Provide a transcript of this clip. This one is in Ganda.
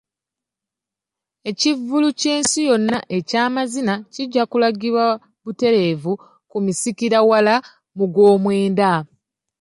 Ekivvulu ky'ensi yonna eky'amazina kijja kulagibwa butereevu ku misikira wala mu gw'omwenda.